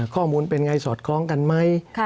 ข้อมูลเป็นไงสอดคล้องกันไหม